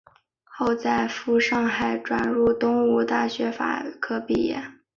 后在赴上海转入东吴大学法科毕业。